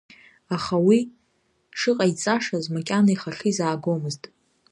Аха уи шыҟаиҵашаз макьана ихахьы изаагомызт.